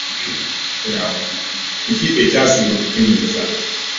Kiki ekyasinga okukunyiza?